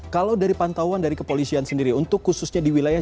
kalau dari pantauan dari kepolisian sendiri untuk khususnya di wilayah